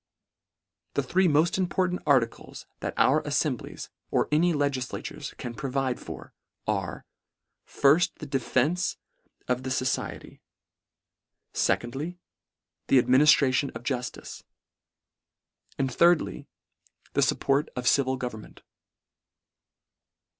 * The three moft important articles, that our afTemblies, or any legiflatures can pro vide for, are, firft the defence of the focie (a) Shakefpeare. M oo LETTER IX. ty : fecondly — the administration of juftice : and, thirdly, the fupport of civil government.